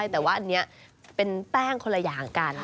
แต่ว่าอันนี้เป็นแป้งคนละอย่างกัน